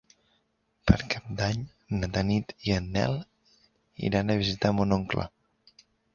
Per Cap d'Any na Tanit i en Nel iran a visitar mon oncle.